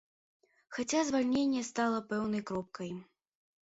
Хаця звальненне стала пэўнай кропкай.